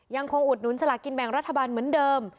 อุดหนุนสลากินแบ่งรัฐบาลเหมือนเดิม